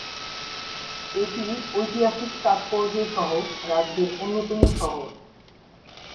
এটি ঐতিহাসিক তাৎপর্য সহ রাজ্যের অন্যতম শহর।